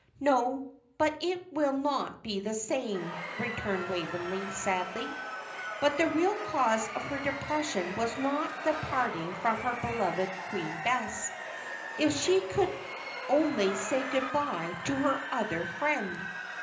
"No, but it will not be the same," returned Waveney, sadly. But the real cause of her depression was not the parting from her beloved Queen Bess. If she could only say good bye to her other friend!